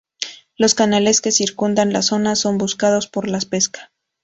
Los canales que circundan la zona son buscados para la pesca.